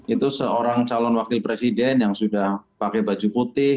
itu seorang calon wakil presiden yang sudah pakai baju putih